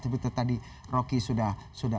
seperti tadi rocky sudah